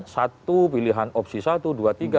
satu pilihan opsi satu dua tiga